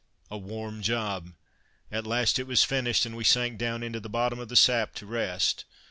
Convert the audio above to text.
A warm job! At last it was finished, and we sank down into the bottom of the sap to rest.